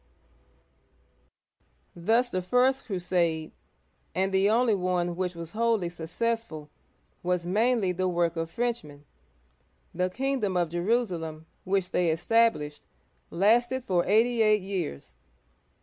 Thus the first crusade — and the only one which was wholly successful — was mainly the work of Frenchmen. The kingdom of Jerusalem, which they established, lasted for eighty eight years.